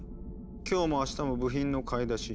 「今日もあしたも部品の買い出し。